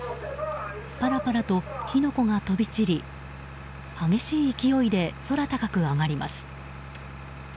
パラパラと火の粉が飛び散り激しい勢いで空高く上がります。